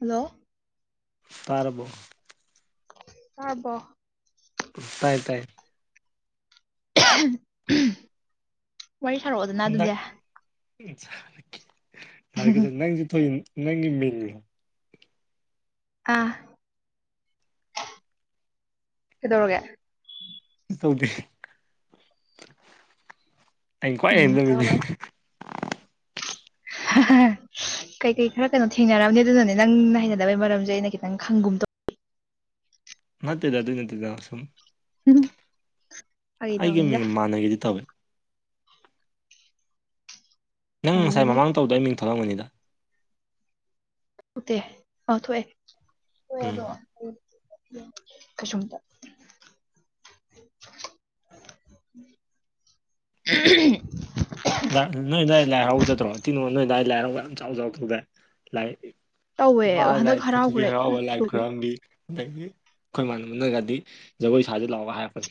hello ꯇꯥꯔꯔꯕꯣ ꯇꯕꯣ ꯎ ꯇꯥꯏ ꯇꯥꯏ ꯋꯥꯔꯤ ꯁꯥꯔꯛꯑꯣꯗꯅ ꯑꯗꯨꯗꯤ ꯎ ꯁꯥꯔꯀꯦ ꯅꯪꯁꯨ ꯊꯏ ꯅꯪꯒꯤ ꯃꯤꯜꯣ ꯑ ꯀꯩꯗꯧꯔꯒꯦ ꯇꯧꯗꯤ ꯎꯝ ꯇꯧꯔꯣꯏ [inaudible] [inaudible] ꯀꯩꯀꯩ ꯈꯔ ꯀꯩꯅꯣ ꯊꯦꯡꯅꯔꯕꯅꯦ ꯑꯗꯨꯅꯅꯦ ꯅꯪꯅ ꯍꯩꯅꯗꯕꯩ ꯃꯔꯝꯁꯦ ꯑꯩꯅ ꯈꯤꯇꯪ ꯈꯪꯒꯨꯝ ꯇꯧ ꯅꯠꯇꯇꯩ ꯇꯗꯥ ꯑꯗꯨꯣꯏ ꯅꯠꯇꯗ ꯁꯣꯨꯝ ꯎꯝ ꯑꯩꯒꯤ ꯃꯤꯡ ꯃꯥꯟꯅꯈꯤꯗꯤ ꯇꯧꯋꯦ ꯅꯪ ꯉꯁꯥꯏ ꯑꯣ ꯃꯃꯥꯡ ꯇꯧꯗꯣ ꯑꯩ ꯃꯤꯡ ꯊꯂꯂꯝꯒꯅꯤꯗ ꯎꯠꯇꯦ ꯑ ꯊꯣꯛꯑꯦ ꯎꯝ ꯑꯗꯣ ꯀꯩꯁꯃꯇ [inaudible] ꯅꯣꯏꯗ ꯑꯩ ꯂꯥꯏꯔꯖꯗ꯭ꯔꯣ ꯀꯤꯅꯣ ꯅꯣꯏꯗ ꯑꯩ ꯂꯥꯏ ꯍꯔꯥꯎꯕ ꯌꯥꯝ ꯆꯥꯎ ꯆꯥꯎꯗꯕꯦ ꯂꯥꯏ ꯇꯧꯋꯦ ꯏꯃꯥ ꯍꯟꯗꯛ ꯂꯥꯏꯔꯤꯛ ꯄꯊꯕꯤ ꯍꯔꯥꯎꯈ꯭ꯔꯦ ꯍꯔꯥꯎꯕ ꯂꯥꯏꯔꯤꯛ ꯂꯨꯈ꯭ꯔꯦ ꯈꯨꯔꯝꯕꯤ ꯑꯗꯒꯤ ꯑꯩꯈꯣꯏ ꯃꯥꯟꯅ ꯃꯅꯒꯗꯤ ꯖꯒꯣꯏ ꯁꯥꯥꯁꯦ ꯂꯥꯛꯒ ꯍꯥꯏꯔꯛꯄꯅꯤ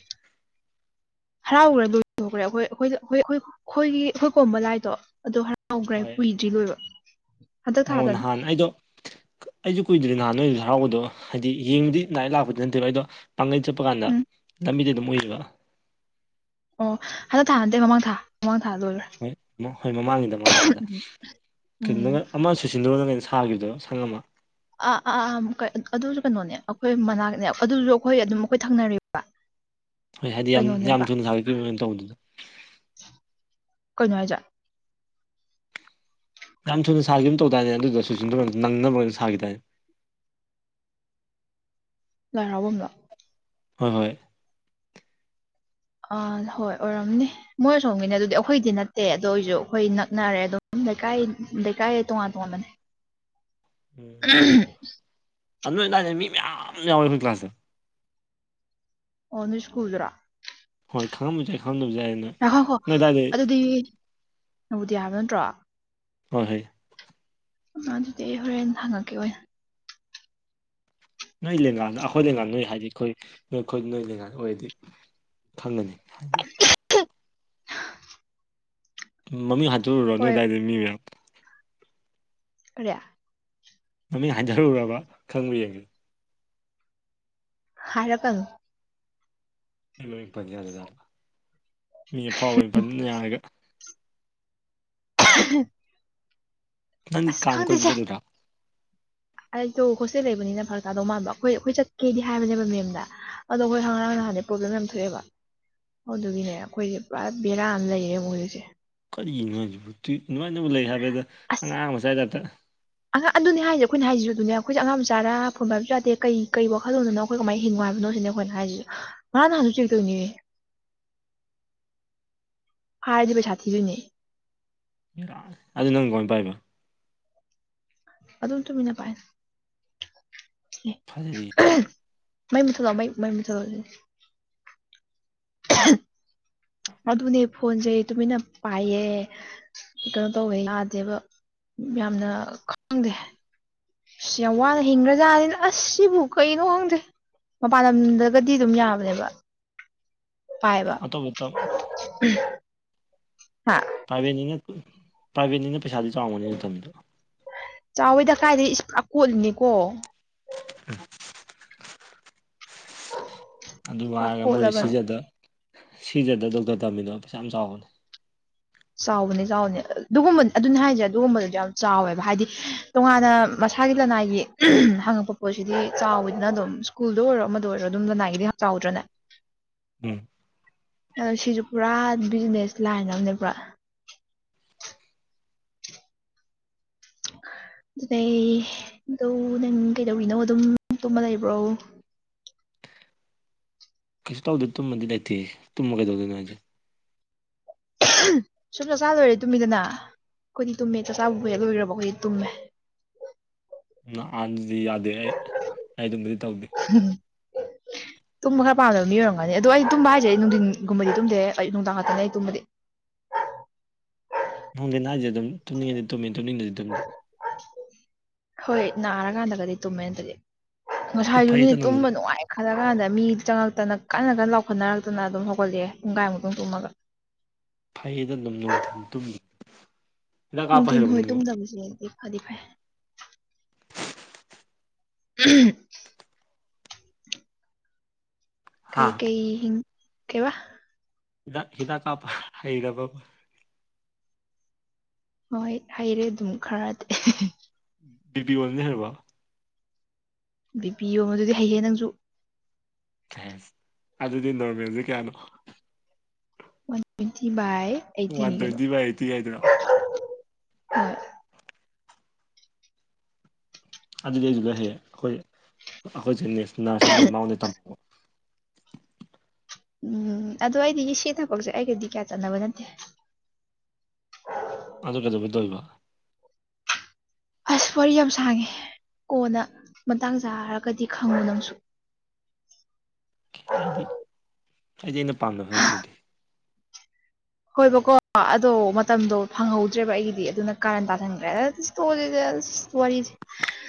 ꯍꯔꯥꯎꯈ꯭ꯔꯦ ꯂꯣꯏꯊꯣꯛꯈ꯭ꯔꯦ ꯑꯩꯈꯣꯏ ꯑꯩꯈꯣꯏꯗ ꯑꯩꯈꯣꯏ ꯑꯩꯈꯣꯏ ꯑꯩꯈꯣꯏꯒꯤ ꯑꯩꯈꯣꯏ ꯀꯣꯝꯕ ꯂꯥꯏꯗꯣ ꯑꯗꯨ ꯍꯥꯎꯈ꯭ꯔꯦ ꯍꯣꯏ ꯀꯨꯏꯗ꯭ꯔꯤ ꯂꯣꯏꯕ ꯍꯟꯗꯛ ꯑꯣ ꯊꯥꯗꯅꯤ ꯅꯍꯥꯟ ꯑꯩꯗꯣ ꯑꯩꯁꯨ ꯀꯨꯏꯗ꯭ꯔꯦ ꯅꯍꯥꯟ ꯑꯣꯏꯁꯨ ꯍꯔꯥꯎꯕꯗꯣ ꯍꯥꯏꯗꯤ ꯌꯦꯡꯕꯗꯤ ꯂꯥꯏ ꯂꯥꯛꯄꯗꯤ ꯅꯠꯇꯦꯕ ꯑꯩꯗꯣ ꯄꯥꯡꯒꯩ ꯆꯠꯄ ꯀꯥꯟꯗ ꯎꯝ ꯂꯝꯕꯤꯗꯤ ꯑꯗꯨꯝ ꯑꯣꯏꯏꯔꯤꯕ ꯑꯣ ꯍꯟꯗꯛ ꯊꯥꯅꯠꯇꯦ ꯃꯃꯥꯡ ꯊꯥ ꯃꯃꯥꯡ ꯊꯥꯗꯣꯏꯔꯥ ꯍꯣꯏ ꯍꯣꯏ ꯃꯃꯥꯡꯒꯤꯗ ꯃꯃꯥꯡ ꯊꯥꯗ ꯎꯝ ꯀꯩꯅꯣ ꯑꯃ ꯁꯨ ꯁꯤꯟꯗꯨꯔꯅ ꯀꯩꯅꯣ ꯁꯥꯥꯈꯤꯕꯗꯣ ꯁꯪꯉ ꯑꯃ ꯑꯥ ꯑꯥ ꯑꯥ ꯑꯗꯨꯁꯨ ꯀꯩꯅꯣꯅꯦ ꯑꯩꯈꯣꯏ ꯃꯅꯥꯛꯅꯦ ꯑꯗꯨꯁꯨ ꯑꯩꯈꯣꯏ ꯑꯗꯨꯝ ꯑꯩꯈꯣꯏ ꯊꯪꯅ ꯍꯣꯏ ꯍꯥꯏꯗꯤ ꯌꯥꯝ ꯊꯨꯅ ꯁꯥꯒꯠꯈꯤꯕꯅ ꯇꯧꯕꯗꯨꯗ ꯀꯣꯏꯅꯅꯨꯡꯉꯥꯏꯖꯥꯛꯠ ꯌꯥꯝ ꯊꯨꯅ ꯁꯥꯈꯤꯕ ꯑꯃ ꯇꯧꯗꯥꯏꯅꯦ ꯑꯗꯨꯗ ꯁ ꯅꯪꯅꯕꯅ ꯁꯥꯈꯤꯗꯥꯔꯅꯦ ꯂꯥꯏꯔꯥꯎꯕꯗꯣ ꯍꯣꯏ ꯍꯣꯏ ꯑꯥ ꯍꯣꯏ ꯑꯣꯏꯔꯝꯅꯦ ꯃꯣꯏ ꯁꯣꯝꯒꯤꯅꯦ ꯑꯗꯨꯗꯤ ꯑꯩꯈꯣꯏꯗꯤ ꯅꯠꯇꯦ ꯑꯗꯨꯗꯣ ꯑꯣꯏꯁꯨ ꯑꯩꯈꯣꯏ ꯅꯛꯅꯔꯦ ꯑꯗꯨꯝ ꯂꯩꯀꯥꯏ ꯂꯩꯀꯥꯏ ꯇꯣꯉꯥꯟ ꯇꯣꯉꯥꯟꯕꯅꯦ ꯑꯗꯨ ꯂꯥꯛꯦ ꯃꯤ ꯃꯌꯥꯝ ꯌꯥꯎ ꯀ꯭ꯂꯥꯁꯦ ꯑꯣꯅꯤꯁ ꯀꯨꯜꯖ꯭ꯔꯥ ꯍꯣꯏ ꯈꯪꯉꯝꯁꯨ ꯌꯥꯏ ꯈꯪꯗꯕꯁꯨ ꯌꯥꯏꯩꯅꯣ ꯌꯥ ꯍꯣ ꯍꯣ ꯑꯗꯨꯗꯤ ꯅꯕꯨꯗꯤꯌꯥ ꯍꯥꯏꯕ ꯅꯠꯇ꯭ꯔꯣ ꯍꯣꯏ ꯍꯣꯏ ꯑꯗꯨꯗꯤ ꯑꯩ ꯍꯣꯔꯦꯟ ꯊꯪꯉꯛꯀꯦ ꯑꯣꯏꯅ ꯅꯣꯏ ꯂꯦꯡꯉꯥꯜꯗ ꯑꯩꯈꯣꯏ ꯂꯩꯦꯡꯉꯥꯜ ꯅꯣꯏ ꯍꯥꯏꯗꯤ ꯑꯩꯈꯣꯏ ꯅꯣꯏ ꯑꯩꯈꯣꯏ ꯅꯣꯏ ꯂꯦꯡꯉꯥꯜꯗ ꯑꯣꯏꯔꯗꯤ ꯈꯪꯒꯅꯤ ꯍꯥꯏꯕꯤ ꯃꯃꯤꯡ ꯍꯥꯠꯇꯣꯛꯂꯨꯔꯣ ꯅꯣꯏ ꯍꯣꯏ ꯑꯗꯨꯗꯥꯏꯗꯤ ꯃꯤ ꯃꯌꯥꯝ ꯀꯌꯥ ꯃꯃꯤꯡ ꯍꯥꯏꯟꯊꯔꯨꯔꯕ ꯈꯪꯕ ꯌꯦꯡꯁꯤ ꯍꯥꯏꯔꯄꯪ ꯂꯣꯏ ꯄꯟꯖꯔꯖꯂ ꯃꯤ ꯑꯄꯥ ꯑꯣꯏ ꯄ ꯌꯥꯔꯒ [inaudible] ꯅꯪꯗꯤ ꯑꯁ ꯀꯥꯡ ꯀꯣꯏꯕ ꯈꯪꯗꯦꯁꯦ ꯆꯠꯂꯨꯗꯥ ꯑꯩꯗꯣ ꯍꯣꯁꯇꯦꯜ ꯂꯩꯕꯅꯤꯅ ꯐꯔꯛ ꯇꯥꯗꯧ ꯃꯥꯟꯕ ꯑꯩꯈꯣꯏ ꯑꯩꯈꯣꯏ ꯆꯠꯀꯦꯗꯤ ꯍꯥꯏꯕꯅꯦꯕ ꯃꯦꯝꯗ ꯑꯗꯣ ꯑꯩꯣꯏ ꯍꯪꯥꯡ ꯅꯍꯥꯟꯅꯦ ꯄ꯭ꯔꯣꯕ꯭ꯂꯦꯝ ꯌꯥꯝ ꯊꯣꯛꯑꯦꯕ ꯑꯗꯨ ꯑꯗꯨꯒꯤꯅꯦ ꯑꯩꯈꯣꯏꯁꯦ ꯄꯨꯔꯥ ꯕꯦꯔꯥ ꯑꯃ ꯂꯩꯔꯦ ꯃꯣꯏ ꯍꯧꯖꯤꯛꯁꯦ ꯑꯩꯣꯏꯒꯤꯅꯨꯡ ꯅꯨꯡꯉꯥꯏꯕ ꯂꯩ ꯍꯥꯏꯕ ꯑꯗ ꯑꯁ ꯑꯉꯥꯡ ꯃꯆꯥꯗꯥꯛꯇ ꯑꯉꯥꯡ ꯑꯗꯨꯅꯦ ꯍꯥꯏꯁꯦ ꯑꯩꯈꯣꯏꯅ ꯍꯥꯏꯁꯤꯁꯨ ꯑꯗꯨꯅꯦ ꯑꯩꯈꯣꯏꯁ ꯑꯉꯥꯡ ꯃ ꯆꯆꯥꯔꯥ ꯐꯣꯟꯕ ꯍꯥꯏꯕꯁꯨꯥꯗꯦ ꯀꯩ ꯀꯩ ꯋꯥꯈꯜꯂꯣꯟꯗꯅꯣ ꯑꯩꯈꯣꯏ ꯀꯃꯥꯏꯅ ꯍꯤꯡꯕ ꯍꯥꯏꯕꯅꯣ ꯁꯤꯅꯦ ꯑꯩꯈꯣꯏꯅ ꯍꯥꯏꯔꯤꯁꯤꯁꯨ ꯅꯍꯥꯟ ꯅꯍꯥꯟꯁꯨ ꯆꯦꯛ ꯇꯧꯅꯤꯌꯦ [inaudible] ꯍꯥꯏꯔꯗꯤꯕ ꯁꯥꯊꯤꯗꯨꯅꯦ ꯑꯗꯨ ꯅꯪ ꯀꯃꯥꯏꯅ ꯄꯥꯏꯕ ꯑꯗꯨ ꯑꯗꯨꯝ ꯇꯃꯤ ꯅꯄꯥꯏ ꯐꯖꯔꯤ ꯃꯩ ꯃꯊꯗ ꯃꯩ ꯃꯥꯏ ꯃꯊꯗꯧꯁꯦ ꯑꯗꯨꯅꯦ ꯐꯣꯟꯁꯦ ꯇꯨꯃꯤꯟꯅ ꯄꯥꯏꯌꯦ ꯀꯩꯅꯣ ꯇꯧꯋꯦ ꯌꯥꯗꯦꯕ ꯌꯥꯝꯅ ꯈꯪꯗꯦ ꯑꯁ ꯌꯥꯝ ꯋꯥꯅ ꯍꯤꯡꯈ꯭ꯔꯖꯥꯠꯅꯤꯅ ꯑꯁꯤꯁ ꯁꯤꯕꯨ ꯀꯩꯅꯣ ꯈꯪꯗꯦ ꯃꯄꯥꯟ ꯂꯝꯗꯒꯗꯤ ꯑꯗꯨꯝ ꯌꯥꯕꯅꯦꯕ ꯄꯥꯏꯕ ꯑꯇꯣꯞꯄ ꯍꯥ ꯄ꯭ꯔꯥꯏꯚꯦꯠꯅꯤꯅ ꯄ꯭ꯔꯥꯏꯚꯦꯠꯅꯤꯅ ꯄꯩꯁꯥꯗꯤ ꯆꯥꯎꯕꯅꯤ ꯃꯇꯝꯕꯤꯗꯣ ꯆꯥꯎꯋꯦꯗ ꯀꯥꯏꯗꯗꯤꯀꯣꯠꯂꯤꯅꯤꯀꯣ ꯎꯝ ꯑꯗꯨ ꯄꯨꯔꯥ ꯍꯥꯏꯥꯏꯔꯒ ꯃꯣꯏꯁꯦ ꯀꯣꯠꯂꯕꯅꯦ ꯁꯤꯖꯗ ꯁꯤꯖꯗ ꯗꯣꯛꯇꯔ ꯇꯝꯃꯤꯅꯣ ꯄꯩꯁꯥ ꯌꯥꯝ ꯆꯥꯎꯕꯅꯦ ꯆꯥꯎꯕꯅꯦ ꯆꯥꯎꯕꯅꯦ ꯑꯗꯨꯒꯨꯝꯕ ꯑꯗꯨꯅ ꯍꯥꯏꯁꯦ ꯑꯗꯨꯒꯨꯝꯕꯗꯨꯁꯨ ꯌꯥꯝ ꯆꯥꯎꯋꯦꯕ ꯍꯥꯏꯗꯤ ꯇꯣꯉꯥꯟꯅ ꯃꯁꯥꯒꯤ ꯂꯅꯥꯏꯒꯤ ꯍꯪꯉꯛꯄ ꯄꯣꯠꯁꯤꯗꯤ ꯆꯥꯎꯋꯤꯗꯅ ꯑꯗꯨꯝ ꯁ꯭ꯀꯨꯜꯗ ꯑꯣꯏꯔꯣꯗ ꯑꯣꯏꯔꯣ ꯑꯗꯨꯝ ꯂꯅꯥꯏꯗꯤ ꯆꯥꯎꯗ꯭ꯔꯅꯦ ꯎꯝ ꯑ ꯁꯤꯁꯨ ꯄꯨꯔꯥ ꯕꯤꯖꯤꯅꯦꯁ ꯂꯥꯏꯟ ꯑꯃꯅꯦ ꯄꯨꯔꯥ ꯑꯗꯨꯗꯩ ꯑꯗꯣ ꯅꯪ ꯀꯩꯗꯧꯔꯤꯅꯣ ꯑꯗꯨꯝ ꯇꯨꯝꯕ ꯂꯩꯕ꯭ꯔꯣ ꯀꯩꯁꯨ ꯇꯧꯗꯦ ꯇꯨꯝꯃꯗꯤ ꯂꯩꯇꯦ ꯇꯨꯝꯃ ꯀꯩꯗꯧꯣꯏꯣꯁꯦ ꯁꯨꯝ ꯆꯆꯥ ꯂꯣꯏꯔꯦ ꯇꯨꯝꯃꯤꯗꯅ ꯑꯩꯈꯣꯏꯗꯤ ꯇꯨꯝꯃꯦ ꯆꯥꯛꯆꯥꯕꯨ ꯍꯦꯛ ꯂꯣꯏꯈ꯭ꯔꯕ ꯑꯩꯈꯣꯏꯗꯤ ꯇꯨꯝꯃꯦ ꯑꯍꯥꯟꯗꯨꯗꯤ ꯌꯥꯗꯦ ꯑꯩ ꯑꯩ ꯑꯗꯨꯝꯕꯨꯗꯤ ꯇꯧꯗꯦ ꯎꯝ ꯇꯨꯝꯕ ꯈꯔ ꯄꯥꯝꯗꯕ ꯑꯣꯏꯔꯝꯒꯅꯤ ꯑꯗꯣ ꯑꯩ ꯇꯨꯝꯕ ꯍꯥꯏꯁꯦ ꯑꯩ ꯅꯨꯡꯊꯤꯟꯒꯨꯝꯕꯗꯤ ꯇꯨꯝꯗꯦ ꯑꯩ ꯅꯨꯡꯗꯥꯡ ꯈꯛꯇꯅꯦ ꯑꯩ ꯇꯨꯝꯕꯗꯤ ꯅꯪꯗꯤꯦ ꯅꯅꯥꯏꯁꯦ ꯑꯗꯨꯝ ꯇꯝꯅꯤꯡꯉꯗꯤ ꯇꯨꯝꯃꯤ ꯇꯨꯝꯅꯤꯡꯉꯗꯤ ꯇꯨꯝꯗꯤ ꯍꯣꯏ ꯅꯥꯔꯀꯥꯟꯗꯒꯗꯤ ꯇꯨꯝꯃꯦ ꯑꯗꯨꯗꯤ ꯉꯁꯥꯏꯖꯨꯅꯤ ꯐꯩꯗ ꯅꯨꯡꯊꯤꯟ ꯇꯨꯝꯕ ꯅꯨꯡꯉꯥꯏ ꯈꯜꯂ ꯀꯥꯟꯗ ꯃꯤ ꯆꯪꯉꯛꯇꯅ ꯀꯟꯅ ꯀꯟꯅ ꯂꯥꯎꯈꯠꯅꯔꯛꯇꯅ ꯑꯗꯨꯝ ꯍꯧꯒꯠꯂꯛꯑꯦ ꯄꯨꯡꯒꯥꯏꯃꯨꯛꯇ ꯇꯨꯝꯃꯒ ꯐꯩꯗ [unintelligible] ꯅꯨꯡꯊꯤꯟ ꯇꯨꯝꯃꯤ ꯍꯤꯗꯥꯛ ꯀꯥꯞꯄ ꯅꯨꯡꯊꯤꯟ ꯍꯩꯔꯕ ꯍꯣꯏ ꯅꯪꯕꯣ ꯇꯨꯝꯗꯕꯁꯗꯤ ꯐꯗꯤ ꯐꯩ [unintelligible] ꯀꯩ ꯍꯥꯥ ꯀꯩ ꯀꯩꯕꯥ ꯍꯤꯗꯥꯛ ꯍꯤꯗꯥꯛ ꯀꯥꯞꯄ ꯍꯩꯔꯕ ꯍꯣꯏ ꯍꯩꯔꯦ ꯑꯗꯨꯝ ꯈꯔꯗꯤ ꯕꯤ ꯄꯤ ꯑꯣꯟꯕꯗꯤ ꯍꯩꯕꯣ ꯕꯤ ꯄꯤ ꯑꯣꯟꯕꯗꯨꯗꯤ ꯍꯩꯍꯦ ꯅꯪꯁꯨ ꯑꯗꯨꯗꯤ ꯅꯣꯔꯃꯦꯜꯁꯦ ꯀꯌꯥꯅꯣ ꯋꯥꯟ ꯇ꯭ꯋꯦꯟꯇꯤ ꯚꯏ ꯋꯥꯟ ꯇ꯭ꯋꯦꯟꯇꯤ ꯚꯥꯏ ꯑꯩꯠꯇꯤ ꯍꯥꯏꯗꯨꯔꯣ [unintelligible] ꯑꯗꯨꯗꯨ [unintelligible] ꯑꯩꯈꯣꯏ ꯑꯩꯈꯣꯏꯁꯦꯁ ꯅꯔꯁ ꯑꯃ ꯃꯉꯣꯟꯗꯩꯩ ꯇꯝ ꯎꯝ ꯑꯗꯣ ꯑꯩꯗꯤ ꯏꯁꯦ ꯊꯕꯛꯁꯦ ꯑꯩꯒꯗꯤ ꯀꯌꯥ ꯆꯠꯅꯕ ꯅꯠꯇꯦ ꯑꯗꯨ ꯀꯩꯗꯧꯕꯩꯗꯣꯏꯕ ꯑꯁ ꯋꯥꯔꯤ ꯌꯥꯝ ꯁꯥꯡꯉꯦ ꯀꯣꯟꯅ ꯃꯇꯥꯡ ꯆꯥꯔꯒꯗꯤ ꯈꯪꯉꯨ ꯅꯪꯁꯨ ꯍꯥꯏꯗꯤ ꯑꯩꯗꯤ ꯑꯩꯅ ꯄꯥꯝꯗꯕ [unintelligible] ꯇꯧꯗꯦ ꯍꯣꯏꯕꯀꯣ ꯑꯗꯣ ꯃꯇꯝꯗꯣ ꯐꯪꯍꯧꯗ꯭ꯔꯦꯕ ꯑꯩꯒꯤꯗꯤ ꯑꯗꯨꯅ ꯀꯥꯔꯟ [unintelligible] [unintelligible] ꯋꯥꯔꯤ [inaudible]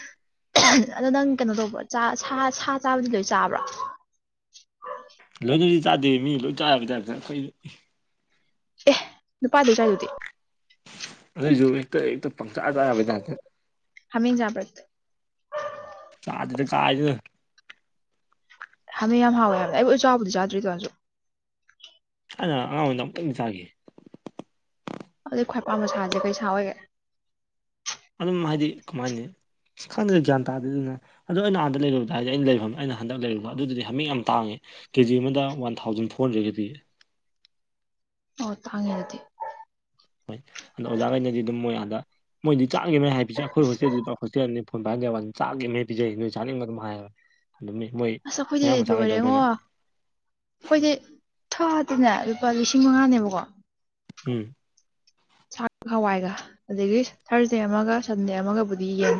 ꯑꯗꯣ ꯅꯪ ꯀꯩꯅꯣ ꯇꯧꯕ꯭ꯔ ꯁꯥ ꯁꯥ ꯆꯥꯕꯗꯤ ꯂꯣꯏ ꯆꯥꯕ꯭ꯔꯥ ꯂꯣꯏꯅꯗꯤ ꯇꯥꯗꯦ ꯃꯤ ꯂꯣꯏꯅ ꯆꯥꯕ [unintelligible] ꯑꯦ ꯅꯨꯄꯥꯗꯨ ꯆꯥꯏꯗꯨꯗꯤ [unintelligible] ꯄꯪꯗ ꯌꯥꯕꯩ ꯇꯥꯏꯄꯇꯥ ꯍꯥꯃꯦꯡ ꯆꯕꯔꯥ [unintelligible] ꯆꯥꯗꯦꯗ ꯀꯥꯏ ꯍꯥꯃꯦꯡ ꯌꯥꯝ ꯍꯥꯎꯋꯦ ꯍꯥꯏꯕꯅꯦ ꯑꯩꯕꯨ [unintelligible] ꯇꯔꯁꯨ ꯑꯩꯅ ꯑꯉꯥꯡꯑꯣꯏꯗ ꯑꯃꯨꯛꯇꯪ ꯆꯥꯈꯤ ꯑꯗꯨ ꯈ꯭ꯋꯥꯏ ꯄꯥꯟꯕꯄꯥꯝꯕ ꯁꯥꯥꯁꯦ ꯀꯩ ꯁꯥ ꯑꯣꯏꯒꯦ ꯑꯗꯨꯝ ꯍꯥꯏꯗꯤ ꯀꯃꯥꯏꯅꯤ ꯈꯪꯗꯒ ꯒ꯭ꯌꯥꯟ ꯇꯥꯗꯦꯗꯅ ꯑꯗꯣ ꯑꯩꯅ ꯑꯥꯟꯗ ꯂꯩꯔꯨꯗ ꯍꯥꯏꯔꯗꯤ ꯑꯩꯅ ꯂꯩꯐꯝꯅꯦ ꯑꯩꯅ ꯍꯟꯗꯛ ꯂꯩꯔ ꯑꯗꯨꯗꯨꯗꯤ ꯍꯥꯃꯤꯡ ꯌꯥꯝ ꯇꯥꯡꯉꯦ ꯀꯦꯖꯤ ꯑꯃꯗ ꯋꯥꯟ ꯊꯥꯎꯖꯟ ꯐꯣꯔ ꯍꯟꯗ꯭ꯔꯦꯠ [unintelligible] ꯑꯣ ꯇꯥꯡꯉꯤꯗꯤ ꯍꯣꯏ ꯑꯗꯣ ꯑꯣꯖꯥꯈꯩꯅꯗꯤ ꯑꯗꯨꯝ ꯃꯣꯏ ꯑꯥꯗ ꯃꯣꯏꯗꯤ [unintelligible] ꯍꯥꯏꯁꯦ ꯑꯩꯈꯣꯏ ꯍꯣꯁꯇꯦꯜꯗꯨꯗ ꯍꯣꯁꯇꯦꯜꯅꯤ ꯐꯟ ꯄꯥꯏꯟꯗ ꯋꯥꯟ ꯆꯥꯛꯒꯤ ꯄꯤꯖꯩ ꯅꯣꯏ ꯆꯥꯅꯤꯡꯕ ꯑꯗꯨꯝ ꯍꯥꯏꯌꯦꯕ ꯑꯗꯨꯝ ꯃꯤ ꯃꯣꯏ ꯑꯁ ꯑꯩꯈꯣꯏꯗꯤ ꯃꯌꯥꯡ ꯃꯆꯥꯈꯩꯗꯣ ꯂꯣꯏꯔꯦꯉꯣ ꯃꯣꯏꯅ ꯑꯩꯈꯣꯏꯗꯤ ꯊꯥꯗꯅꯦ ꯂꯨꯄꯥ ꯂꯤꯁꯤꯡ ꯃꯉꯥꯅꯦꯕꯀꯣ ꯎꯝ ꯆꯥꯛ ꯈꯥꯋꯥꯏꯒ ꯑꯗꯒꯤ ꯊꯔꯁꯗꯦ ꯑꯃꯒ ꯁꯟꯗꯦ ꯑꯃꯒꯕꯨꯗꯤ ꯌꯦꯟ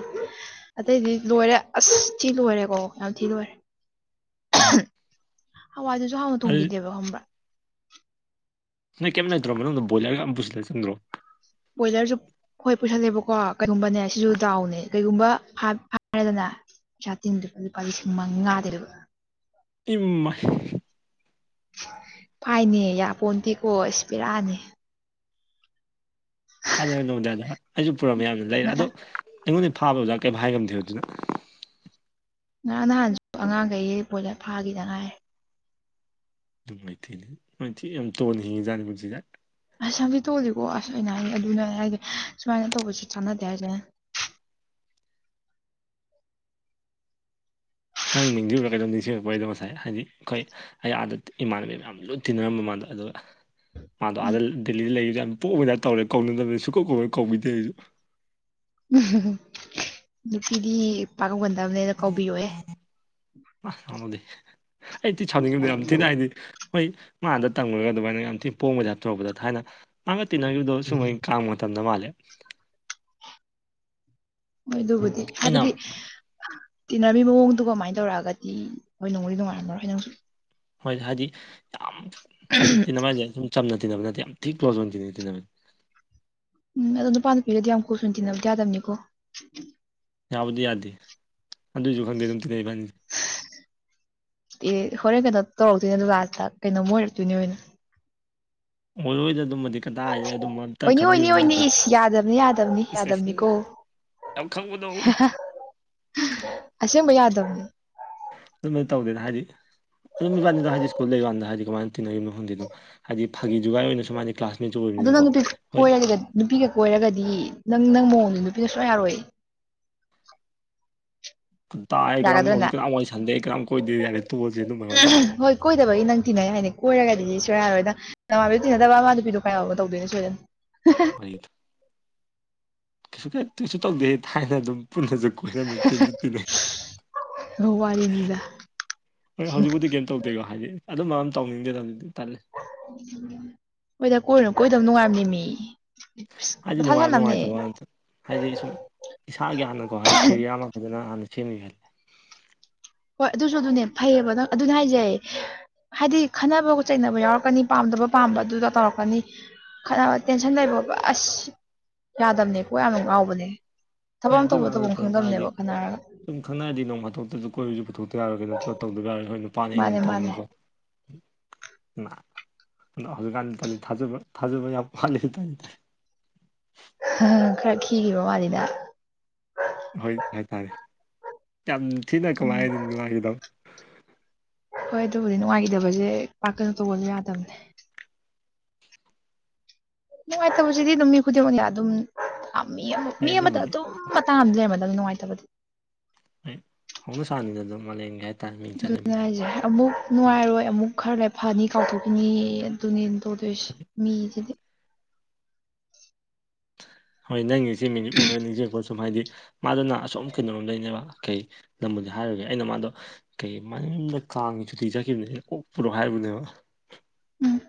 ꯑꯇꯩꯗꯤ ꯂꯣꯏꯔꯦ ꯑꯁ ꯊꯤ ꯂꯣꯏꯔꯦꯀꯣ ꯌꯥꯝ ꯊꯤ ꯂꯣꯏꯔꯦ [inaudible] ꯍꯋꯥꯏꯗꯨꯁꯨ ꯍꯥꯎꯅ ꯑꯗꯨ ꯇꯣꯡꯕꯤꯗꯦꯕ ꯈꯪꯕ꯭ꯔꯥ ꯅꯣꯏ ꯀꯦꯝ ꯂꯩꯇ꯭ꯔꯣ ꯃꯅꯨꯡꯗ ꯕꯣꯏꯂꯔ ꯑꯝ ꯄꯨꯁꯤꯟꯂꯥ ꯆꯪꯗ꯭ꯔꯣ ꯕꯣꯏꯂꯔꯁꯨ ꯍꯣꯏ ꯄꯨꯁꯜꯂꯦꯕꯀꯣ ꯀꯩꯒꯨꯝꯕꯅꯦ ꯁꯤꯁꯨ ꯗꯥꯎꯅꯦ ꯀꯩꯒꯨꯝꯕ ꯍꯥꯏꯔꯦꯗꯅ ꯄꯩꯁꯥ ꯇꯤꯡ [unintelligible] ꯂꯨꯄꯥ ꯂꯤꯁꯤꯡ ꯃꯉꯥꯗꯔꯤꯕ ꯏꯝꯃꯥꯏ ꯐꯥꯏꯅꯦ ꯌꯥꯄꯣꯟꯇꯦꯀꯣ ꯏꯁ ꯄꯦꯔꯥꯅꯦ [unintelligible] ꯑꯩꯁꯨ ꯄꯨꯔꯝ ꯃꯌꯥꯝꯅ ꯂꯩꯔꯦ ꯑꯗꯣ ꯉꯔꯥꯡ ꯑꯩꯉꯣꯟꯗ ꯐꯥꯕꯗꯨꯗ ꯑꯣꯖꯥ ꯀꯩꯝ ꯍꯥꯏꯉꯝꯗꯦꯕ ꯑꯗꯨꯅ ꯉꯍꯥꯟ ꯅꯍꯥꯟꯁꯨ ꯑꯉꯥꯡꯈꯩ ꯕꯣꯏꯂꯔ ꯐꯥꯒꯤꯗꯉꯥꯏ ꯅꯨꯡꯥꯏꯊꯦꯅꯦ [unintelligible] ꯌꯥꯝ ꯇꯣꯟꯅ ꯍꯤꯡꯉꯤꯖꯥꯅꯤ ꯄꯨꯟꯁꯤꯗ ꯑꯁ [unintelligible] ꯇꯣꯜꯂꯤꯀꯣ ꯑꯁ ꯑꯩꯅꯥ ꯍꯥꯏ ꯑꯗꯨꯅ ꯍꯥꯏꯗꯤ ꯁꯨꯃꯥꯏꯅ ꯇꯧꯕꯁꯤ ꯆꯥꯟꯅꯗꯦ ꯍꯥꯏꯁꯦ ꯅꯪ ꯅꯤꯡꯁꯤꯡꯕꯨꯔꯒ ꯀꯩꯗꯣ ꯅꯤꯡꯁꯤꯡꯉꯛꯄꯒꯤꯗꯣ ꯉꯁꯥꯏ ꯍꯥꯏꯗꯤ ꯑꯩꯈꯣꯏ ꯑꯩ ꯑꯥꯗ ꯏꯃꯥꯟꯅꯕꯤ ꯃꯌꯥꯝ ꯂꯣꯏꯅ ꯇꯤꯟꯅꯔꯝꯕ ꯃꯗ ꯑꯗꯨꯒ ꯃꯥꯗꯣ ꯑꯥꯗ ꯗꯦꯜꯂꯤꯗ ꯂꯩꯔꯤꯗ ꯑꯗꯨ ꯄꯣꯛꯄꯕꯗꯥ ꯇꯧꯔꯦ ꯀꯧꯅꯗꯕꯅꯤ ꯁꯨꯀꯧ ꯀꯧꯔ ꯀꯧꯕꯤꯗꯦ ꯑꯩꯁꯨꯣ ꯎꯝ ꯅꯨꯄꯤꯗꯤ ꯄꯥꯒꯧꯒꯟꯗꯕꯅꯦꯅ ꯀꯥꯎꯕꯤꯌꯣꯑꯦ ꯑ ꯊꯃꯗꯤ ꯑꯩꯗꯤꯤ ꯁꯥꯅꯤꯡꯉꯅꯤ ꯌꯥꯝ ꯊꯤꯅ ꯍꯥꯏꯗꯤ ꯍꯣꯏ ꯃꯥꯗ ꯇꯝꯉꯨꯔꯒ ꯑꯗꯨꯃꯥꯏꯅ ꯌꯥꯝ ꯊꯤꯅ ꯄꯣꯡꯕꯗ ꯇꯣꯔꯔꯨꯕꯗ ꯊꯥꯏꯅ ꯑꯒꯛꯤꯟ ꯅꯪꯗꯣ ꯁꯨꯝꯃꯥꯏ ꯀ ꯀꯥꯡꯝꯃ ꯃꯇꯝꯗ ꯃꯥꯂꯦ ꯃꯣꯏ ꯑꯗꯨꯕꯨꯗꯤ ꯍꯥꯏꯕꯗꯤ ꯑꯩꯅ ꯇꯤꯟꯅꯔꯃꯤ ꯃꯑꯣꯡꯗꯨꯒ ꯀꯃꯥꯏꯅ ꯇꯧꯔꯛꯑꯒꯗꯤ ꯍꯣꯏ ꯅꯣꯡꯗꯤ ꯅꯨꯡꯉꯥꯏꯔꯝꯃꯔꯣꯏ ꯍꯣꯏ ꯅꯪꯁꯨ ꯍꯣꯏ ꯍꯥꯏꯗꯤ ꯌꯥꯝ ꯍꯥꯏꯗꯤ ꯇꯤꯟꯅꯕꯟꯁꯦ ꯑꯗꯨꯨꯝ ꯆꯝꯅ ꯇꯤꯟꯅꯕ ꯅꯠꯇꯦ ꯌꯥꯝ ꯊꯤ ꯀ꯭ꯂꯣꯖ ꯑꯣꯏꯅ ꯇꯤꯟꯅꯩ ꯇꯤꯟꯅꯕꯟ ꯎꯝ ꯑꯗꯣ ꯅꯨꯄꯥꯥꯟꯗ ꯄꯤꯔꯗꯤ ꯌꯥꯝ ꯀꯨꯁꯨꯅ ꯇꯤꯟꯅꯕꯗꯤ ꯌꯥꯗꯕꯅꯤꯀꯣ ꯌꯥꯕꯗꯤ ꯌꯥꯗꯦ ꯑꯗꯨꯏꯁꯨ ꯈꯪꯗꯦ ꯑꯗꯨꯝ ꯇꯤꯉꯩꯏ ꯐꯅꯤꯁꯦ ꯑꯦ ꯍꯣꯔꯦꯟ ꯀꯩꯅꯣ ꯇꯧꯔꯛꯇꯣꯏꯅꯦ ꯂꯇ ꯀꯩꯅꯣꯝ ꯑꯣꯏꯔꯛꯇꯣꯏꯅꯦ ꯑꯣꯏꯅ ꯑꯣꯏꯔꯣꯏꯗ ꯑꯗꯨꯝꯃꯗꯤ ꯀꯇꯥ ꯍꯥꯏꯁꯤꯗ ꯑꯗꯨꯝ ꯑꯣꯏꯅꯤ ꯈꯟꯕꯤꯕ ꯑꯣꯏꯅꯤ ꯃꯤ ꯑꯣꯏꯅꯤ ꯅꯠꯇꯦ ꯌꯥꯗꯕꯅꯤ ꯌꯥꯗꯕꯅꯤ ꯏꯁ ꯏꯁ ꯌꯥꯗꯕꯅꯤꯀꯣ ꯌꯥꯝ ꯈꯪꯕꯗꯣ ꯑꯁꯦꯡꯕ ꯌꯥꯗꯕꯅꯤ ꯑꯗꯨꯃꯥꯏꯅ ꯇꯧꯗꯦꯅ ꯍꯥꯏꯗꯤ ꯑꯗꯨꯝ ꯏꯕꯥꯅꯤꯗꯨꯗ ꯍꯥꯏꯗꯤ ꯁ꯭ꯀꯨꯜ ꯂꯩꯕꯀꯥꯟꯗ ꯍꯥꯏꯗꯤ ꯀꯃꯥꯏꯅ ꯇꯤꯟꯅꯔꯤꯕ ꯃꯐꯝꯗꯤ ꯑꯗꯨꯝ ꯍꯥꯏꯗꯤ ꯐꯥꯒꯤ ꯖꯒꯥꯏ ꯑꯣꯏꯅ ꯁꯨꯃꯥꯏꯅ ꯀ꯭ꯂꯥꯁ ꯃꯆꯨ ꯑꯗꯨ ꯅꯪ ꯑꯣꯏꯕꯅꯤꯅꯀꯣ ꯅꯨꯄꯤ ꯍꯣꯏ ꯀꯣꯏꯔꯒ ꯅꯨꯄꯤꯒ ꯀꯣꯏꯔꯒꯗꯤ ꯅꯪ ꯅꯪ ꯃꯑꯣꯡꯅꯤ ꯅꯨꯄꯤꯒ ꯁꯣꯏ ꯌꯥꯔꯣꯏ ꯇꯝ ꯌꯥꯒꯗ꯭ꯔ ꯍꯧꯖꯤꯛ ꯅꯪ ꯀꯅꯥ ꯋꯥꯔꯤ ꯁꯟꯗꯦ ꯀꯝ ꯀꯣꯏꯗꯦ ꯌꯥꯔꯦ ꯇꯣꯜꯁꯦ ꯑꯗꯨ ꯋꯥꯔꯤꯗꯤ ꯍꯣꯏ ꯀꯣꯏꯗꯕꯒꯤ ꯅꯪ ꯊꯤꯟꯅꯩ ꯍꯥꯏꯅꯤ ꯀꯣꯏꯔꯒꯗꯤ ꯁꯌꯥꯔꯣꯏꯅ ꯅꯃꯥꯕꯤꯣ ꯇꯤꯟꯅꯗꯕ ꯃꯥ ꯅꯨꯄꯤꯗꯣ ꯀꯥꯏꯣ ꯇꯧꯗꯣꯏꯅꯦ ꯁꯣꯏꯗꯅ ꯐꯔꯤꯠ ꯀꯩꯁꯨ ꯀꯩ ꯀꯩꯁꯨ ꯇꯧꯗꯦ ꯊꯥꯏꯅ ꯑꯗꯨꯝ ꯄꯨꯟꯅꯁꯨ ꯀꯣꯏꯔꯃꯦ ꯇꯤꯟꯁꯨ ꯇꯤꯟꯅꯩ ꯅꯤꯗ ꯕꯨꯗꯤ ꯀꯩꯝ ꯇꯧꯗꯦꯀꯣ ꯍꯥꯏꯗꯤ ꯑꯗꯨꯝꯕ ꯑꯗꯨꯝ ꯇꯧꯅꯤꯡꯗꯦꯗꯕꯗꯤ ꯇꯂꯦ ꯍꯣꯏꯗ ꯀꯣꯏꯅꯨ ꯀꯣꯏꯗꯧ ꯅꯨꯡꯉꯥꯏꯝꯅꯤ ꯃꯤ ꯀ ꯍꯥꯏꯗꯤ ꯊ ꯆ ꯅꯨꯡꯉꯥꯏꯕ ꯅꯝꯅꯦ ꯅꯨꯡꯉꯥꯏꯇꯕ ꯉꯥꯛꯇ ꯍꯥꯏꯗꯤ ꯁꯨꯝ ꯏꯁꯥꯒꯤ ꯍꯥꯟꯅꯀꯣ ꯍꯥꯏꯗꯤ ꯀꯦꯔꯤꯌꯔ ꯑꯃ ꯐꯖꯅ ꯍꯥꯟꯅ ꯁꯦꯝꯃꯤ ꯍꯥꯏꯗꯤ ꯍꯣꯏ ꯑꯗꯨꯁꯨ ꯑꯗꯨꯅꯦ ꯐꯩꯌꯦꯕ ꯅꯪ ꯑꯗꯨꯅꯦ ꯍꯥꯏꯖꯩ ꯍꯥꯏꯗꯤ ꯈꯟꯅꯕ ꯆꯩꯅꯕ ꯌꯥꯎꯔꯛꯀꯅꯤ ꯄꯥꯝꯗꯕ ꯄꯥꯝꯕ ꯑꯗꯨꯗ ꯇꯧꯔꯛꯀꯅꯤ ꯈꯠꯅꯕ ꯇꯦꯟꯁꯟ ꯂꯩꯕꯠ ꯑꯁ ꯌꯥꯗꯕꯅꯦꯀꯣ ꯌꯥꯝ ꯉꯥꯎꯕꯅꯦ ꯊꯕꯛ ꯍꯣꯏ ꯑꯃ ꯑꯗꯨꯏ ꯇꯧꯕ ꯋꯥ ꯇꯐꯝ ꯅꯠꯇꯅ ꯍꯥꯏꯗꯤ ꯈꯪꯗꯝꯕꯅꯦꯕ ꯈꯟꯅꯔꯒ ꯁꯨꯝ ꯈꯪꯅꯔꯗꯤ ꯅꯣꯡ ꯍꯥꯥꯇꯣꯛꯇꯁꯨ ꯀꯣꯏꯔꯁꯨ ꯄꯨꯊꯣꯛꯇ ꯌꯥꯔꯣꯏꯦ ꯅꯠꯇ꯭ꯔ ꯇꯧꯗꯕ ꯌꯥꯔꯦ ꯍꯣꯏ ꯅꯨꯄꯥꯅ ꯑꯩꯅ ꯃꯥꯅꯦ ꯃꯥꯅꯦ ꯇꯧꯅꯤꯀꯣ ꯍꯧꯖꯤꯛꯀꯥꯟꯗꯤ ꯇ ꯊꯥꯖꯕ ꯊꯥꯖꯕ ꯌꯥꯝ ꯄꯦ ꯇ ꯈꯔ ꯈꯤꯈꯤꯕ ꯃꯥꯜꯂꯤꯗ ꯍꯣꯏ ꯍꯥꯏꯇꯥꯔꯦ ꯌꯥꯝ ꯊꯤꯅ ꯎꯝ ꯀꯃꯥꯏꯔꯗꯤ ꯅꯨꯡꯉꯥꯏꯈꯤꯗꯧ ꯍꯣꯏ ꯑꯗꯨꯕꯨꯗꯤ ꯅꯨꯡꯉꯥꯏꯈꯤꯗꯕꯁꯦ ꯄꯥꯛꯀꯩꯅꯣ ꯇꯧꯕꯒꯁꯨ ꯌꯥꯗꯕꯅꯦ ꯅꯨꯡꯉꯥꯏꯇꯕꯁꯤꯗꯤ ꯑꯗꯨꯝ ꯃꯤ ꯈꯨꯗꯤꯡꯃꯛꯅ ꯑꯗꯨꯝ ꯃꯤ ꯑꯃ ꯍꯣꯏ ꯃꯤ ꯑꯃꯗ ꯑꯗꯨꯕꯨꯗꯤ ꯑꯗꯨꯝ ꯃꯇꯥꯡ ꯑꯃꯗꯤ ꯂꯩꯔꯝꯗ ꯑꯗꯨꯗꯤ ꯅꯨꯡꯉꯥꯏꯇꯕꯗꯤ ꯍꯥꯎꯅ ꯁꯥꯥꯔꯅꯤ ꯗ ꯑꯗꯨ ꯃ ꯂꯩ ꯑꯗꯨꯉꯥꯏꯖꯦ ꯑꯃꯨꯛ ꯅꯨꯡꯉꯥꯏꯔꯣꯏ ꯑꯃꯨꯛ ꯈꯔ ꯂꯐꯅꯤ ꯀꯥꯎꯊꯣꯛꯈꯤꯅꯤ ꯑꯗꯨꯅꯦꯅ ꯇꯧꯗꯣꯏꯁꯦ ꯃꯤꯁꯤꯗꯤ ꯍꯣꯏ ꯅꯪ ꯏꯆꯦ ꯃꯤꯅꯤꯠꯄꯨꯔ ꯅꯤꯡꯣꯠꯦ ꯑꯗꯨꯝ ꯍꯥꯏꯗꯤ ꯃꯥꯗꯨꯅ ꯑꯁꯨꯝꯝ ꯀꯩꯅꯣꯝ ꯂꯩꯅꯦꯕ ꯀꯩ ꯅꯕꯨꯅꯤ ꯍꯥꯏꯔꯒꯦ ꯑꯩꯅ ꯃꯥꯗꯣ ꯀꯩ ꯃꯝꯗ ꯀꯥꯡꯉꯤꯁꯨ ꯊꯤꯖꯈꯤꯕꯅꯦ ꯀꯣꯛꯄꯔꯣ ꯍꯥꯏꯔꯤꯕꯅꯦꯕ ꯎꯝ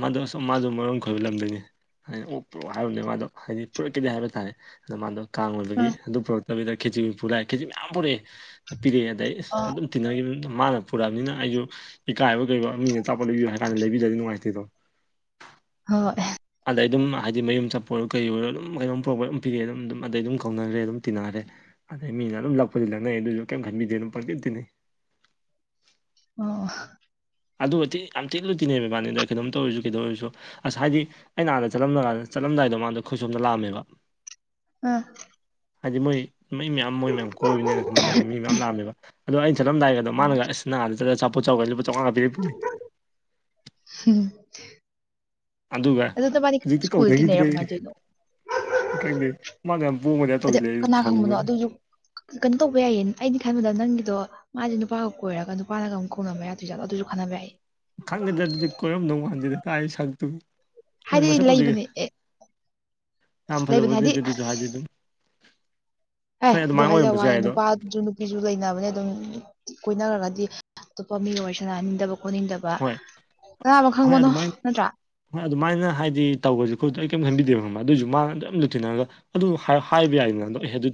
ꯃꯥꯗꯣ ꯃꯥꯁꯨ ꯃꯔꯝ ꯈꯣꯏꯕ ꯂꯝꯗꯅꯤ ꯍꯥꯏꯗꯤ ꯑꯣꯛ ꯄꯨꯔꯛꯑꯣ ꯍꯥꯏꯕꯅꯦ ꯃꯥꯗꯣ ꯍꯥꯏꯗꯤ ꯄꯨꯔꯛꯈꯤꯗꯦ ꯍꯥꯏꯕ ꯇꯥꯔꯦ ꯑꯗꯣ ꯃꯥꯗꯣ ꯀꯥꯡ ꯑ ꯑꯣꯏꯕꯒꯤ ꯑꯗꯨ ꯄꯨꯔꯛꯇꯕꯤꯗ ꯈꯦꯖꯤ ꯄꯨꯔꯛꯑꯦ ꯈꯦꯖꯤ ꯃꯌꯥꯝ ꯄꯨꯔꯛꯑꯦ ꯄꯤꯔꯛꯑꯦ ꯑꯗꯩ ꯑ ꯑꯗꯨꯝ ꯇꯤꯟꯅꯈꯤꯕ ꯃꯥꯅ ꯄꯨꯔꯛꯑꯕꯅꯤꯅ ꯑꯩꯁꯨ ꯏꯀꯥꯏꯕ ꯀꯩꯣ ꯃꯤꯅ ꯆꯞꯄ ꯂꯩꯕꯤꯌꯨ ꯍꯥꯏꯕ ꯀꯥꯟꯗ ꯂꯩꯕꯤꯗꯗꯤ ꯅꯨꯡꯉꯥꯏꯇꯦꯗꯣ ꯍꯣꯏ ꯑꯗꯩ ꯑꯗꯨꯝ ꯍꯥꯏꯗꯤ ꯃꯌꯨꯝ ꯆꯠꯄ ꯑꯣꯏꯔꯣ ꯀꯩ ꯑꯣꯏꯔꯣ ꯑꯗꯨꯝ ꯀꯩꯅꯣꯝ ꯄ꯭ꯔꯣꯕꯂꯦꯝ ꯄꯤꯔꯑꯦ ꯑꯗꯨꯝꯗꯩ ꯑꯗꯨꯝ ꯀꯧꯅꯈ꯭ꯔꯦ ꯑꯗꯨꯝ ꯇꯤꯟꯅꯈ꯭ꯔꯦ ꯑꯗꯩ ꯃꯤꯅ ꯑꯗꯨꯝ ꯂꯛꯄꯗꯤ ꯅꯛꯅꯩ ꯑꯗꯨꯁꯨ ꯀꯩꯝ ꯈꯟꯕꯤꯗꯦ ꯑꯗꯨꯝ ꯄꯪꯗꯦꯇꯤꯅꯤ ꯑꯣ ꯑꯗꯨꯤ ꯌꯥꯝ ꯇꯤꯛꯂꯨ ꯇꯤꯅꯦꯕ ꯃꯥꯅꯤꯗ ꯀꯩꯅꯣꯝ ꯇꯧꯔꯁꯨ ꯀꯩꯗꯧ ꯑꯣꯏꯔꯁꯨ ꯑꯁ ꯍꯥꯏꯗꯤ ꯑꯩꯅ ꯍꯥꯟꯗ ꯆꯠꯂꯝꯂꯀꯥꯟꯗ ꯆꯠꯂꯝꯗꯥꯏꯗꯣ ꯃꯥꯥꯟꯗ ꯑꯩꯣꯏꯁꯣꯝꯗ ꯂꯥꯛꯑꯝꯃꯦꯕ ꯎꯝ ꯍꯥꯏꯗꯤ ꯃꯣꯏ ꯃꯣꯏ ꯃꯌꯥꯝ ꯃꯣꯏ ꯃꯌꯥꯝ ꯀꯣꯏꯕꯅꯤꯅ ꯃꯣꯏ ꯃꯤ ꯃꯌꯥꯝ ꯂꯥꯛꯑꯃꯦꯕ ꯑꯗꯣ ꯑꯩꯅ ꯆꯠꯂꯝꯗꯥꯏꯒ ꯑꯣ ꯑꯗꯣꯅꯒꯁꯅꯥꯍꯗ ꯆꯄ ꯆ ꯆꯥꯎꯈꯒ ꯂꯨꯄꯥ ꯆꯝꯃꯉꯥ ꯄꯔꯛꯄꯅꯤ ꯍꯝ ꯑꯗꯨꯒ ꯅꯕꯥꯅꯤ ꯍꯧꯖꯤꯛꯇꯤ ꯁ꯭ꯀꯨꯜꯗ ꯇꯤꯟꯅꯩꯔꯣ ꯀꯧꯅꯈꯤꯗ꯭ꯔꯦ ꯀꯃꯥꯏꯅ ꯇꯧꯔꯤꯅꯣ ꯀꯪꯦ ꯃꯥꯅ ꯌꯥꯝ ꯄꯣꯝꯕꯅꯦ ꯑꯗꯩ ꯇꯧꯁꯤꯜꯂꯦ ꯑꯩ ꯀꯅꯥ ꯑꯗꯨ ꯈꯪꯕꯅꯣ ꯁꯥꯎꯅꯤꯡꯕꯣꯏꯅꯦ ꯑꯗꯨꯁꯨ ꯀꯩꯅꯣ ꯇꯧꯕ ꯌꯥꯏꯌꯦ ꯑꯩꯩꯅ ꯈꯟꯕꯗ ꯅꯪꯒꯤꯗꯣ ꯃꯥꯁꯦ ꯅꯨꯄꯥꯒ ꯀꯣꯏꯔꯒ ꯅꯨꯄꯥꯒꯨꯛ ꯈꯣꯡꯅꯕ ꯌꯥꯗꯁꯨ ꯌꯥꯠꯣ ꯑꯗꯨꯁꯨ ꯈꯟꯅꯕ ꯌꯥꯏ ꯈꯪꯗꯦꯗ꯭ꯔ ꯑꯗꯨꯗꯤ ꯀꯣꯏꯔꯝꯗꯧ ꯃꯥꯟꯗꯦꯗ ꯀꯥꯏ ꯁꯛꯇꯨꯒꯤ ꯍ ꯍꯥꯏꯗꯤ ꯃꯣꯏ ꯆꯄꯣꯗꯤꯒꯦ ꯂꯩꯕꯅꯦ ꯑꯦ ꯑꯝ ꯂꯩꯕꯅꯦ ꯐꯖꯕꯨ ꯍꯥꯏꯗꯤ ꯖꯍꯥꯏꯗꯤ ꯑꯗꯨꯝ ꯑꯦ ꯍꯣꯏ ꯑꯗꯨ ꯑꯗꯨꯃꯥꯏꯅ ꯍꯥꯏꯖꯕ ꯑꯣꯏꯔꯝꯕꯁꯨ ꯋꯥꯅꯦ ꯌꯥꯏ ꯑꯗꯣ ꯅꯨꯄꯥ ꯁꯨ ꯅꯨꯄꯤꯁꯨ ꯂꯩꯅꯕꯅꯦ ꯑꯗꯨꯝ ꯀꯣꯏꯅꯔꯒꯗꯤ ꯑꯇꯣꯞꯄ ꯃꯤ ꯋꯥꯔꯤ ꯁꯥꯟꯅꯍꯟꯅꯤꯡꯗꯕ ꯈꯣꯠꯅꯤꯡꯗꯕ ꯍꯣꯏ ꯀꯅꯥꯕꯨ ꯍꯣꯏ ꯈꯪꯕꯅꯣ ꯑꯗꯨꯃꯥꯏꯅ ꯅꯠꯇ꯭ꯔꯥ ꯍꯣꯏ ꯑꯗꯨꯃꯥꯏꯅ ꯍꯥꯏꯗꯤ ꯇꯧꯕꯁꯨ ꯈꯣꯠꯇꯁꯨ ꯑꯩ ꯀꯩꯝꯇ ꯈꯟꯕꯤꯗꯦꯕ ꯈꯝꯕ ꯑꯗꯨꯏꯁꯨ ꯃꯥꯅ ꯑꯗꯨ ꯌꯥꯝꯝ ꯂꯨꯊꯤꯅꯔꯒ ꯑꯗꯨꯝ ꯍꯥꯏꯕ ꯌꯥꯏ ꯅꯗꯣ ꯑꯩ ꯑꯗꯨ ꯇꯧ